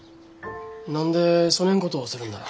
何でそねんことをするんなら？